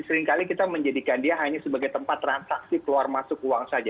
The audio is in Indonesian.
seringkali kita menjadikan dia hanya sebagai tempat transaksi keluar masuk uang saja